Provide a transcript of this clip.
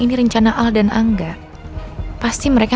terima kasih ma